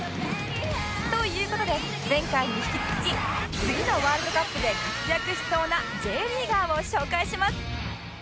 という事で前回に引き続き次のワールドカップで活躍しそうな Ｊ リーガーを紹介します